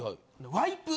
ワイプ。